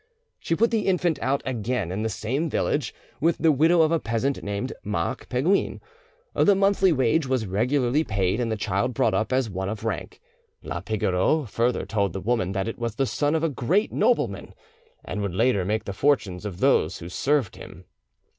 She put the infant out again in the same village, with the widow of a peasant named Marc Peguin. The monthly wage was regularly paid, and the child brought up as one of rank. La Pigoreau further told the woman that it was the son of a great nobleman, and would later make the fortunes of those who served him.